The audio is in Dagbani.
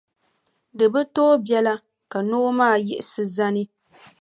Di bi tooi biɛla ka noo maa yiɣisi zani.